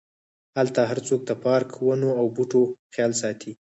هلته هرڅوک د پارک، ونو او بوټو خیال ساتي.